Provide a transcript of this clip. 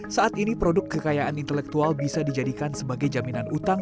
saat ini produk kekayaan intelektual bisa dijadikan sebagai jaminan utang